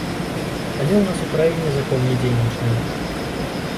Але ў нас у краіне закон не дзейнічае.